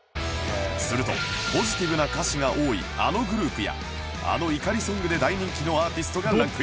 するとポジティブな歌詞が多いあのグループやあの怒りソングで大人気のアーティストがランクイン